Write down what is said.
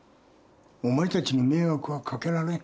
お前たちに迷惑は掛けられん。